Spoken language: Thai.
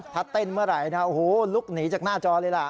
ถ้าเต้นเมื่อไหร่นะโอ้โหลุกหนีจากหน้าจอเลยล่ะ